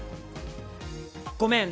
ごめん。